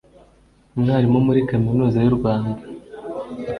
umwarimu muri Kaminuza y’u Rwanda